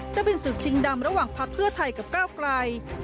จะเป็นศึกชิงดำระหว่างพักเพื่อไทยกับก้าวไกล